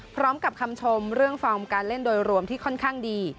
พร้อมกับคำชมเรื่องฟอร์มการเล่นโดยรวมที่ค่อนข้างดี